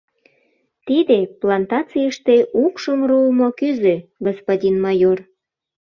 — Тиде плантацийыште укшым руымо кӱзӧ, господин майор!